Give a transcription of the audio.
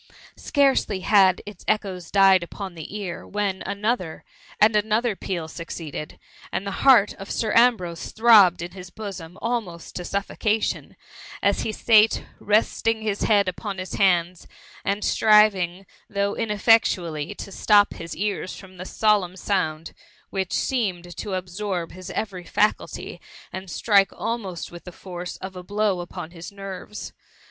Scarcely had its echoes died upon the ear, when another^ and another peal succeeded ; and the heart of Sir Ambrose throbbed in his bosom almost to suf focation, as he sate, resting his head upon his hands, and striving, though ineffectually, to stop his ears from the solemn sound, which seemed to absorb his every faculty, and strike almost with the force of a blow upon his nerves.